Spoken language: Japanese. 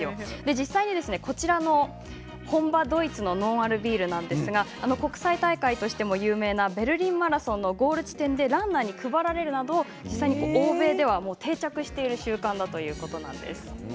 実際に本場ドイツのノンアルビールなんですが国際大会として有名なベルリンマラソンのゴール地点でランナーに配られるなど実際に欧米では定着している習慣だということなんです。